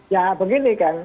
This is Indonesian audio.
ya begini kan